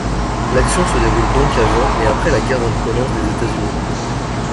L'action se déroule donc avant et après la guerre d'indépendance des États-Unis.